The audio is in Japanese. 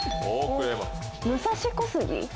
武蔵小杉。